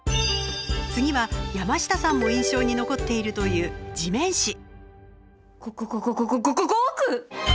次は山下さんも印象に残っているというごごごごごご５億！？